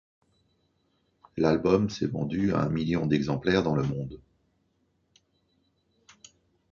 L'album s'est vendu à un million d'exemplaires dans le monde.